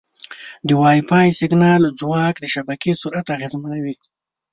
د وائی فای سیګنال ځواک د شبکې سرعت اغېزمنوي.